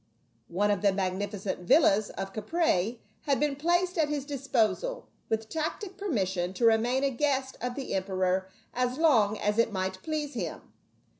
One of the magnificent villas of Caprae had been placed at his disposal, with tacit permission to remain a guest of the emperor as long as it might please him.